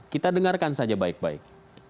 kita dengarkan saja baik baik